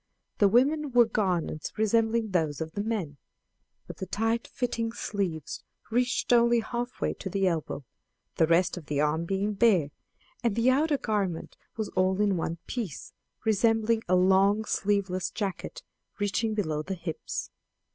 The women wore garments resembling those of the men, but the tight fitting sleeves reached only half way to the elbow, the rest of the arm being bare; and the outergarment was all in one piece, resembling a long sleeveless jacket, reaching below the hips.